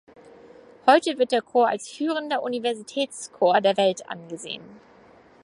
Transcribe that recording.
Heute wird der Chor als führender Universitätschor der Welt angesehen.